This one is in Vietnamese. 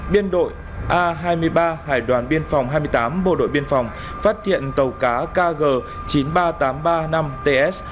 biên đội a hai mươi ba hải đoàn biên phòng hai mươi tám bộ đội biên phòng phát hiện tàu cá kg chín nghìn ba trăm tám mươi ba năm ts